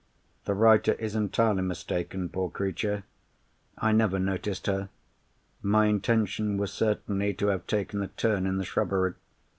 —The writer is entirely mistaken, poor creature. I never noticed her. My intention was certainly to have taken a turn in the shrubbery.